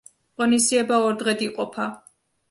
ღონისძიება ორ დღედ იყოფა.